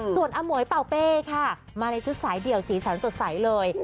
ส่วนอมวยเป่าเป้ค่ะมาในชุดสายเดี่ยวสีสันสดใสเลย